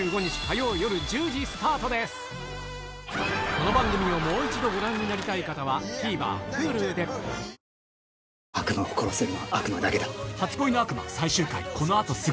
この番組をもう一度ご覧になりたい方はＴＶｅｒＨｕｌｕでん？